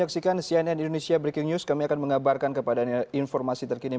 cnn indonesia breaking news